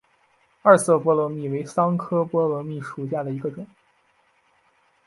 二色波罗蜜为桑科波罗蜜属下的一个种。